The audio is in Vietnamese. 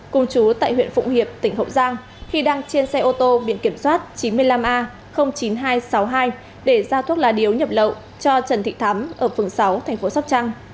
cùng chú tại huyện phụng hiệp tỉnh hậu giang khi đang trên xe ô tô biển kiểm soát chín mươi năm a chín nghìn hai trăm sáu mươi hai để giao thuốc lá điếu nhập lậu cho trần thị thắm ở phường sáu thành phố sóc trăng